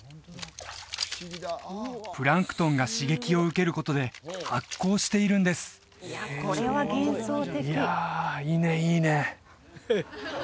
プランクトンが刺激を受けることで発光しているんですいや